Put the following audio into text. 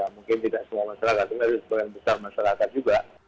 mungkin tidak semua masyarakat tapi sebagian besar masyarakat juga